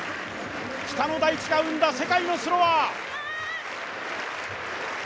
北の大地が生んだ世界のスローワー。